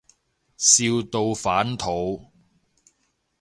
笑到反肚